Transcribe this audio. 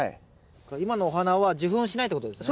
今のお花は受粉しないってことですね。